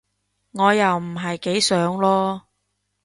我又唔係幾想囉